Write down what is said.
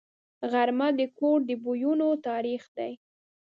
غرمه د کور د بویونو تاریخ دی